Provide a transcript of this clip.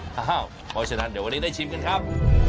เพราะฉะนั้นเดี๋ยววันนี้ได้ชิมกันครับ